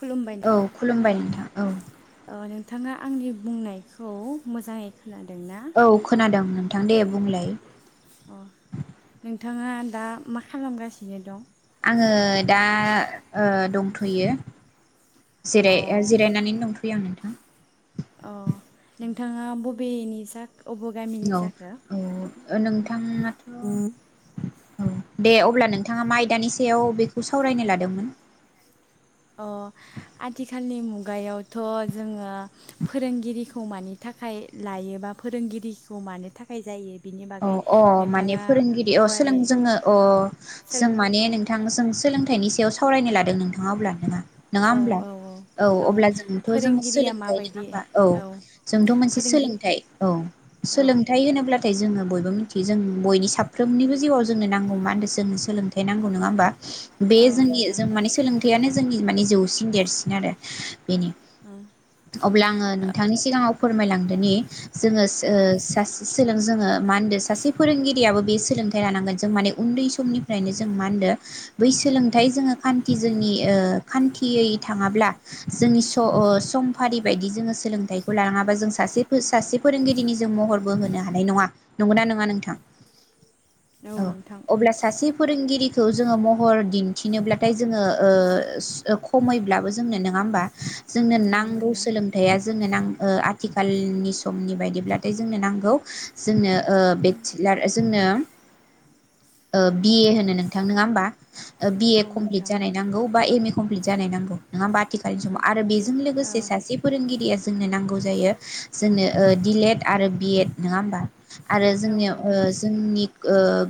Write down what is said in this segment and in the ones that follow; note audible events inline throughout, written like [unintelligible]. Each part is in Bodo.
खुलुमबाय औ खुलुमबाय नोंथां औ। थाङा आंनि बुंनायखौ मोजाङै खोनादोंना औ खोनादों नोंथां दे बुंलाय। थाङा दा मा खालामगासिनो दं? आङो दा ओ दंथ'यो जिराय अ ओ जिरायनानैनो दंथ'यो आं नोंथा अ नोंथाङा बबेनि जा अब' गामिनि जाखो? ओ नोंथ थाङाथ' औ दे अब्ला नोंथाङा मा आयदानि सायाव बेखौ सावरायनो लादोंमोन? अ आथिखालनि मुगायावथ' जोङो फोरोंगिरिखौ मानि थाखाय लायोबा फोरोंगिरिखौ मानो थाखाय जायो बिनि अ बागै अ माने नोंथाङा फोरोंगिरि अ सोलों गुवारै जोङो अ सोल जों माने नोंथां जों सोलोंथाइनि सायाव सावरायनो लादों नोंथाङा अब्ला नोंङा? नङा औ होमब्ला? औ औ अब्ला जोंथ' जों फोरोंगिरिया सोलोंथाइ नङा माबायदि होनबा? औ जोंथ' मोनसे फोरोंगिरि सोलोंथाइ औ औ सोलोंथाइ होनोब्ला थाय जोङो बयबो मिनथियो जों बयनि साफ्रोमनिबो जिउआव जोंनो नांगौ मा होनदों जोंनो सोलोंथाइ नांगौ। नङा होमबा? बे औ जोंनि नोंथां जों माने सोलोंथायानो जोंनि माने जौसिन देरसिन आरो। बेनो ओं अब्ला आङो नोंथांनि सिगाङाव। फोरमायलांदोनि जोङो सो औ सासे सोलों जोङो मा होनदो सासे फोरोंगिरियाबो बे सोलोंथाइ लानांगोन जों माने उन्दै समनिफ्रायनो जों मा होनदो बै सोलोंथाइ जोङो खान्थि जोंनि ओ खान्थियै थाङाब्ला जोंनि सम समफारि बायदि जोङो सोलोंथाइखौ लाङाबा जों सासे सासे फोरोंगिरिनि जों महरबो होनो हानाय नङा। नंगौना नङा नोंथां? औ अब्ला सासे फोरोंगिरिखौ जोङो म हर दिन्थिनोब्लाथाय जोङो ओ खमैब्लाबो जोंनो नङा होमबा? जोंनो औ नांगौ नोंथां सोलोंथाइया जोंनो नां ओ आथिखालनि समनि बायदिब्लाथाय जोंनो नांगौ। जोंनो ओ बेसिलार जोंनो ओ बिए होनो नोंथां नङा होमबा? बि ए औ कमप्लिट नोंथां जानाय नांगौ बा एम ए कमफ्लिट जानाय नांगौ नङा होनबा आथिखालनि समाव आरो बे जों औ लोगोसे सासे फोरोंगिरिया जोंनो नांगौ जायो जोंनो ओ डि लेएड आरो बि एड नङा होमबा। आरो औ जोंनियाव ओ नोंथां जोंनि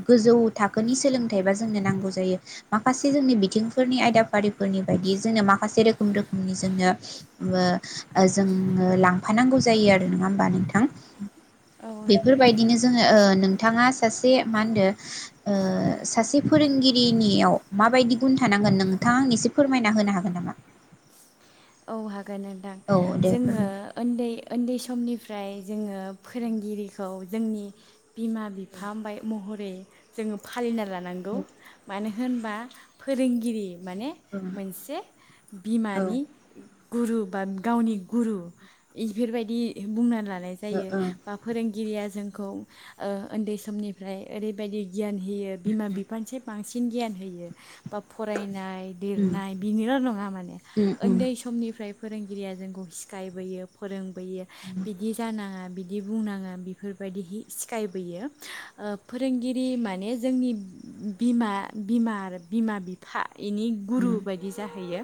गो गोजौ थाखोनि सोलोंथाइबा जोंनो नांगौ जायो माखासे जोंनि बिथिंफोरनि आयदाफारिफोरनि बायदि जोंनो माखासे रोखोम रोखोमनि जोंनो ओ जों लांफानांगौ जायो आरो नङा होमबा नोंथां औ बेफोर नोंथां बायदिनो जोङो ओ नों थाङा सासे मा होनदो ओ सासे फोरोंगिरिनियाव माबायदि गुन थानांगोन नोंथाङा आं एसे फोरमायना होनो हागोन नामा? औ हा गोन नोंथां औ दे जोङो फोरमाय ओन्दै ओन्दै समनि फ्राय जोङो फोरोंगिरिखौ जोंनि बिमा बिफा ओमबाय महर बे जोङो फालिना ला नांगौ उम मानो। होनबा फोरोंगिरि माने मोनसे बिमानि गुरु बा गावनि गुरु इफोरबायदि बुंना ला नाय जायो बा फोरोंगिरिया जोंखौ ओ ओन्दै समनिफ्राय ओरै बायदि गियान होयो बिमा बिफानिसाय बांसि न गियान होयो बा फरायनाय दिरनाय बिनिल' नङा माने उम उम ओन्दै निफ्राय फोरोंगिरिया जोंखौ सिखायबोयो फोरों बोयो उम बिदि जानाङा बिदि बुंनाङा बिफोरबायदिहि सिखायबोयो ओ फोरोंगिरि माने जोंनि बिमा बिमा आरो बिमा बिफा इनि गुरु बायदि जाहैयो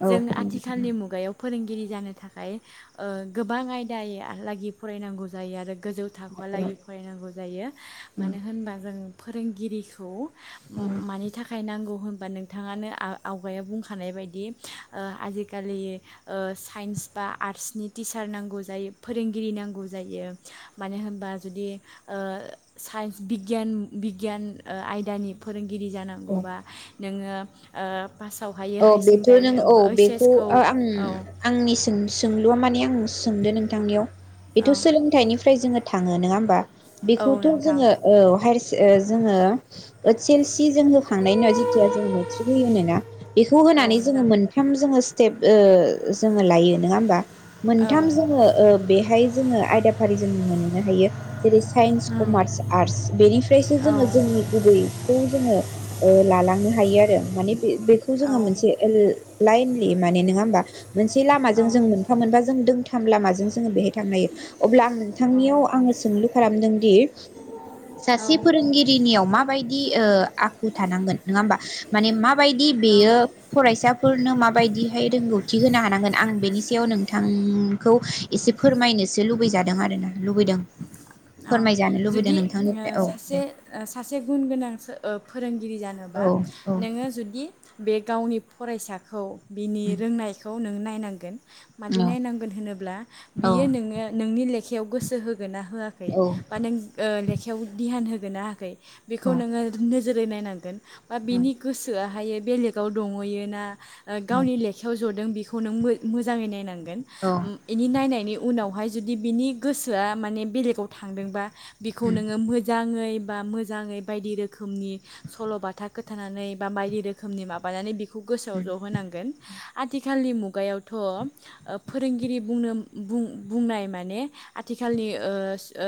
औ जों आ फोरोंगिरि थालनि मुगायाव फोरोंगिरि जानो थाखाय ओ गोबां आयदाया लागि फरायनांगौ जायो आरो गोजौ थाखोआव लागै फरायनांगौ जायो उम मानो होनबा जों फोरोंगिरिखौ म मानि थाखाय नांगौ होनबा नोंथाङानो आव आवगायाव बुंखानाय बायदि ओ आजि खालि ओ साइन्स बा आरसनि टिचार नांगौ जायो फोरोंगिरि नांगौ जायो मानो होनबा जुदि ओ साइन्स बिगियान बिगियान आयदानि फोरों गिरि औ जानांगौबा नोङो ओ पासाव हायो औ हाय बेथ' नों सेकेणडारि ओबा औ ऐइस एस बेखौ ओ आं आंनि सों- सोंलुआ माने आं सोंदो नोंथांनियाव बेथ' औ सोलोंथाइनिफ्राय जोङो थाङो नोङा होमबा औ बेखौथ' नोंथां जोङो औ हायारसे ओ जोङो ओइड सेस जों होखांनायनि उनाव जेथिया जों मेट्रिक होयोनोना बेखौ औ होनानै जोङो नोंथां मोनथाम जोङो स्टेप ओ जोङो लायो नङा होमबा औ मोनथाम जोङो ओ बेहाय जोङो आयदाफारि जों मोननो हायो जेरै साइन्स कमार्स आर्ट्स बेनिफ्रायसो जोङो औ जोंनि गुबैखौ जोङो ओ लालांनो हायो आरो माने बे जोङो मोनसे औ लाइनलि माने नङा होनबा मोनसे लामाओं जों मोनफा मोनफा जों दोंथाम लामाओं जों बेहाय थांनो हायो अब्ला आं औ नोंथांनियाव औ आङो सोंलु खालामदोंदि सासे औ फोरोंगिरिनियाव माबायदि ओ आखु थानांगोन नङा होनबा माने माबायदि औ बेयो फरायसा फोरनो माबायदिहाय रोंगौथि होनो हानांगोन आं बेनि सायाव नोंथांखौ एसे फोरमायनोसो लुबैजादों आरोना लुबैदों औ फोरमायजानो लुबैदों जुदि नोंथांनिफ्राय औ दे सासे सासे गुन गोनां ओ फोरोंगिरि गिरि जानोबा औ औ नोङो जुदि बे गावनि फरायसाखौ बिनि रोंनायखौ नों नाय नायनांगोन। मादि औ नायनांगोन होनोब्ला औ बियो नोङो नोंनि लेखा खायाव गोसो होगोना होआ खै बा नों ओ लेखायाव ध्यान हो दोना होयाखै बेखौ औ नोङो नोजो जोरै नायनांगोन बा औ नोंथां बिनि गोसोआहायो बेलेगाव दंहैयोना ओ गावनि लेखायाव जदों बे खौ नों मोजाङै नायनांगोन। ओम एनि नायनायनि उनावहाय जुदि बिनि गोसोआ माने बेलेगाव थांदोंबा बिखौ नोङो मोजाङै बा मोजै बायदि रोखोमनि सल' बाथा खोथानानै बा बायदि रोखोमनि माबानानै बि खौ गोसोआव ज' होनांगोन। आथिखालनि मुगायावथ' ओ फोरोंगिरि बुंनो बुं बुंनाय माने आथिखालनि ओ ओ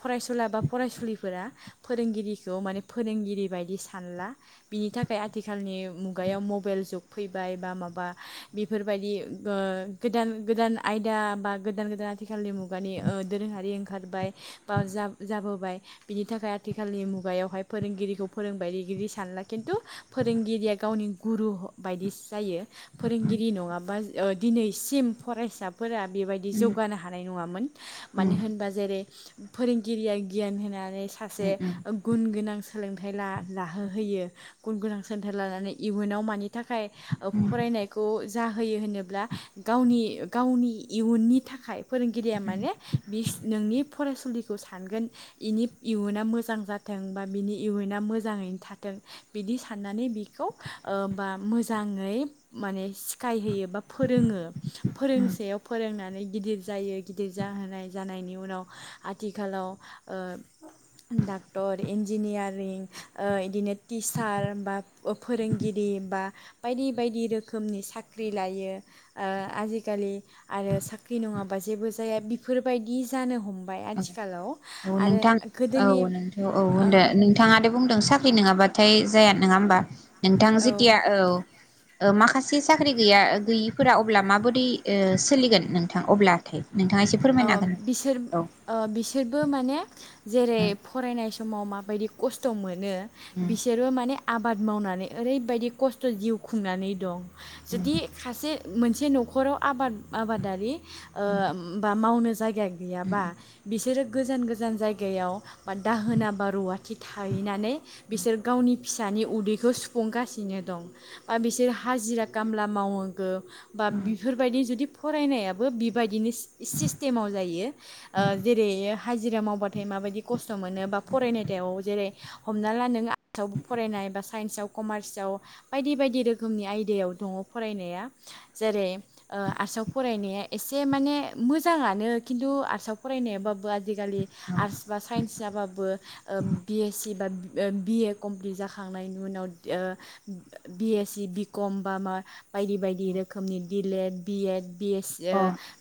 फरायसुला बा फरायसुलिफोरा फोरोंगिरिखौ माने फोरोंगिरि बायदि सानला बिनि थाखाय आथिखालनि मुगायाव मबेल जुग फैबाय बा माबा बेफोरबायदि ओ गोदान गोदान आयदा बा गोदान गोदान आथिखालनि मुगानि दोरोङारि ओंखारबाय बा जा जाबोबाय बिनि थाखाय आथिखालनि मुगायावहाय फोरोंगिरिखौ फोरोंबाय रिगिरि सानला खिन्थु फोरोंगिरिया गावनि गुरु बायदि जायो। फोरोंगिरि नङाबा ओ दिनैसिम फरायसा फोरा बेबायदि जौगानो हानाय नङामोन मानो होनबा। जेरै फोरोंगिरिया गियान होना नै सासे औ गुन गोनां सोलोंथा हाय ला लाहो होयो गुन गोनां सोंथाइ लानानै इयुनाव मानि थाखाय फरायनायखौ जाहोयो होनोब्ला गावनि गावनि इयुननि थाखाय फोरोंगिरिया माने बिस नोंनि फरायसुलिखौ सानगोन इनि इयुना मोजां जाथों बा बिनि इयुना मोजाङैनो थाथों बिदि साननानै बिखौ ओ बा मोजाङै माने सिखायहोयो बा फोरोङो फोरोंसेयाव फोरोंनानै गिदिर जायो गिदिर जाहोनाय जानायनि उनाव आथिखालाव ओ डाक्टर इन्जिनियारिं ओ इदिनो टिचार बा ओ फोरोंगिरि बा बायदि बायदि रोखोमनि साख्रि लायो ओ आजिखालि आरो साख्रि नङाबा जेबो जाया बिफोरबायदि जानो हम औ औ नोंथां औ गोदोनि नोंथ' औ ओ, होनदो नोंथाङाथ बुंदों सा ख्रि नोङाबाथाय जाया नोङा होमबा? नोंथां जेथिया औ ओ माखासे साख्रि गैया गैयिफोरा अब्ला माबोरै ओ सोलिगोन नोंथां अब्लाथाय? नोंथाङा एसे ओ फोरमायनो हागोन। बिसोर औ ओ बिसोरबो माने जेरै फरायनाय स समाव माबायदि खस्थ' मोनो। बिसोरो माने आब बाद मावनानै ओरैबायदि खस्थ' जिउ खुंनानै दं। जुदि खायसे मोनसे न'खराव आबाद आबादारि ओ आ मावनो जाय गा गैयाबा बिसोरो गोजान गोजान जायगायाव बा दाहोना बा रुवाथि थाहैनानै बिसोर गावनि फिसानि उदैखौ सुफुंगासिनो दं बा बिसोर हाजिरा खामला मावगो। बा बेफोरबायदि जुदि फरायनायाबो बिबायदिनो जेरै हाजिरा मावबाथाय माबायदि खस्थ' मोनो बा फरायनायाव जेरै हमना ला नों आर्टसआव फरायनाय बा साइन्सआव कमार्सआव बायदि बायदि रोखोमनि आयदायाव दङ फरायनाया जेरै ओ आर्टसआव फरायनाया एसे माने मोजाङानो खिन्थु आर्टसआव फरायनायाबाबो आजिखालि आर्टस बा साइन्स जाबाबो ओ बि एस सि बा बिए कमप्लिट जाखांनायनि उनाव ओ बि एस सि बिकम बा मा बायदि बायदि रोखोमनि डि एड बिएड बिए स ओ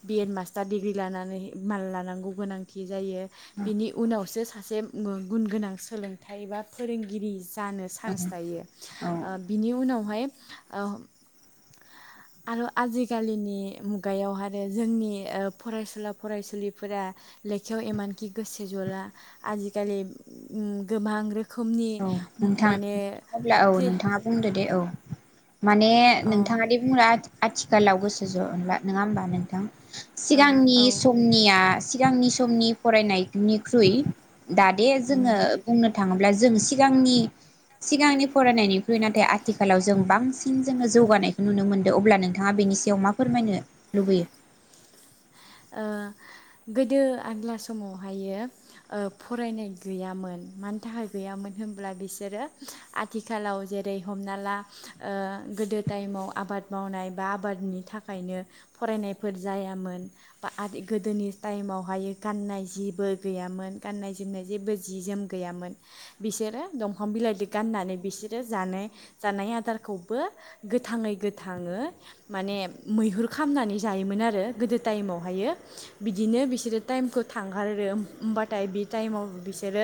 बिएड मा स्टार डिग्रि लानानै माल लानांगौ गोनांथि जायो बिनि उनावसो सासे गुन गोनां सोलोंथाइ बा फोरोंगिरि जानो अ चान्स थायो औ ओ बिनि उनाव ओ आरो आजिखालिनि मुगायाव आरो जोंनि ओ फरायसुला फरायसुलिफोरा लेखायाव इमानखि गोसो जला आजिखालि उम गोबां रो औ नोंथां नोंथाङा अब्ला औ नोंथाङा बुंदो दे औ माने औ नोंथाङादि बुंङोना आथिखालाव गोसो ज'ला नङा होमबा नोंथां? औ सिगांनि औ समनिया सिगांनि समनि फरायनायनिख्रुइ दा दे जोङो उम बुंनो थाङोब्ला जों सि गांनि सिगांनि फरायनायनिख्रुइ नाथाय आथिखालाव जों बांसिन जोङो जौगानायखौ नुनो मोनदों अब्ला नोंथाङा बेनि सायाव मा फोरमायनो लुबैयो ओ गोदो आग्ला समावहायो ओ फरायनाय गैयामोन मानि थाखाय गैयामोन होनब्ला बिसोरो आथिखालाव जेरै हमना ला ओ गोदो टाइमाव आबाद मावनाय बा आबादनि थाखायनो फरायनायफोर जायामोन बा गोदोनि टाइमावहाय गाननाय जेबो गैयामोन गाननाय जोमनाय जेबो जि जोम गैयामोन बिसोरो दंफां बिलाइजों गाननानै बिसोरो जानाय जानाय आदारखौबो गोथाङै गोथाङै माने मैहुर खालामनानै जायोमोन आरो गोदो टाइमाव ओमफायो बिदिनो बिसोरो टाइमखौ थांगारो होनबाथाय बे टाइमाव बिसोरो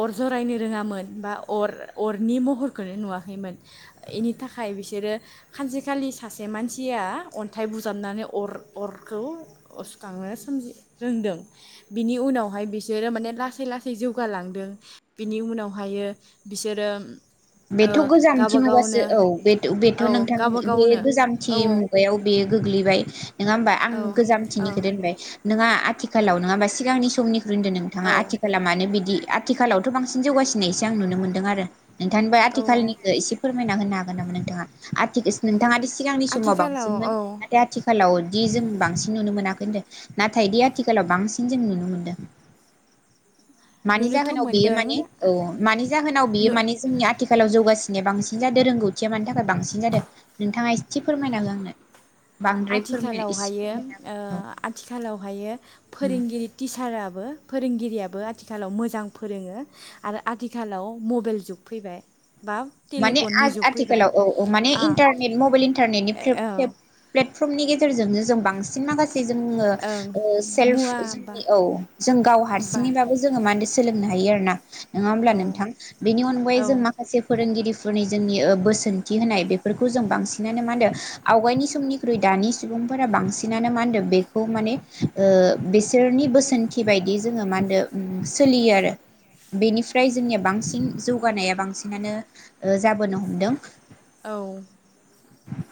अर जरायनो रोङामोन बा अर अरनि महरखौनो नुवाखैमोन बेनि थाखाय बिसोरो सानसेखालि सासे मानसिया अनथाइ बुजाबनानै अर अरखौ अरसुखांनो सोमजि रोंदों बिनि उनावहाय बिसोरो माने लासै लासै जौगालांदों बिनि उनावहायो बिसोरो बेथ' गोजामथि गावबा मुगासो गावनो औ बेथ' बेथ' औ नोंथां गावबा बे गावनो गोजामथि औ औ मुगायाव बे गोग्लैबाय नङा होमबा आं औ औ गोजामथिनिखौ दोनबाय नोंङा आथिखालाव नङाबा सिगांनि समनि होनग्रोदों नोंथाङा औ आथिखाला मानो बिदि आथिखालावथ' बांसिन जौगासिनायसो आं नुनो मोनदों आरो बिथांबा औ आथिखालनिखौ एसे फोर मायना होनो हागोन नामा नोंथाङा आथि नोंथांङा जि सिगांनि समाव आथिखालाव बांसिनमोन औ नाथाय आथिखालाव दि जों बांसिन नुनो मोनाखै होनदों नाथाय दि आथिखालाव बांसिन जों नुनो मोनदों मानि नुनोथ' जाहोनाव बेयो मोनदों माने औ मानि जाहोनाव बेयो नु मानि जोंनि आथिखालाव जौगासिनाया बांसिन जादों रोंगौथिया मानि थाखाय बांसिन जादों नोंथाङा एसे फोरमायना हो आंनो बांद्राय फोरमाय आथिखालाव एसे हायो फोरमायना ओ हो औ आथिखालाव हायो उम फोरोंगिरि टिचारा बो फोरोंगिरियाबो आथिखालाव मोजां फोरोङो आरो आथिखालाव मबेल जुग फैबाय बा माने आ टेलिफननि जुग फैबाय आथिखालाव औ औ माने आ इन्टारनेट मबेल इन्टारनेटनि फ्लि औ प्ले प्लेट फर्मनि गेजेरजोंनो जों बांसिन माखा से जोङो ओं ओ मुवा सेल्प बा जोंनि ओव जों गाव बा हारसिंनिबाबो जों माने सोलोंनो हायो आरोना नोङा होमब्ला औ नोंथां बेनि अनगायै औ जों माखासे फोरोंगिरिफोरनि जोंनि बोसोनथि होनाय बेफोरखौ जों बांसिनानो मा होनो आवगायनि समनिख्रुइ दानि सुबुंफोरा बांसिनानो मा होनदों बेखौ माने बिसोरनि बोसोनथि बायदि जोङो मा होनदों सोलियो आरो बेनिफ्राय जोंनिया बांसिन जौगानाया बांसिनानो जाबोनो हमदों औ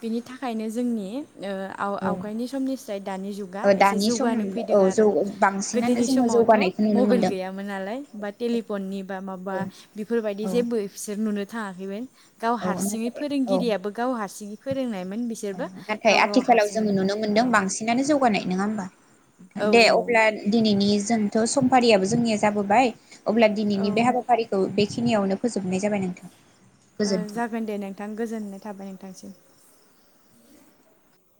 बिनि थाखायनो जोंनि ओ आव ओ आवगायनि समनि स्राय दानि जुगा एसे दानि सम जौगानो फैदों औ जौ आरो बांसिनानो गोदोनि जोङो समावथ' जौगानायखौ नुनो मबाइल मोनदों गैयामोन नालाय बा टेलिफननि बा माबा औ बेफोरबायदि औ जेबो फिसोर नुनो [unintelligible] औ आं बे गिरियाबो गावहा सिनि फोरोंनाय औ नाथाय आथिखालाव जोङो नुनो औ मोनदों बांसिनानो जौगानाय नङा होमबा औ दे औ अब्ला दिनैनि जों थ' समफारियाबो जोंनिया जाबोबाय अब्ला औ दिनैनि बे हाबाफारिखौ बे खिनियावनो फोजोबनाय जाबाय नोंथां ओ गोजोन्थों जागोन दे नोंथां गोजोननाय थाबाय नोंथांनिसिम